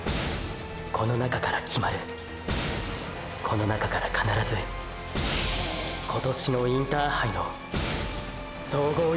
この中から決まるこの中から必ず今年のインターハイの総合優勝者が出る！！